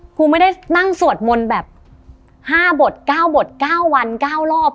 ครูไม่ได้นั่งสวดมนต์แบบ๕บท๙บท๙วัน๙รอบ